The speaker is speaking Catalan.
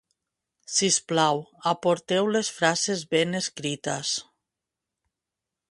Sisplau, aporteu les frases ben escrites